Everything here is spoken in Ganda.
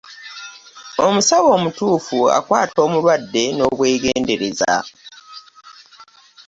Omusawo omutuufu akwata omulwadde n'obwegendereza.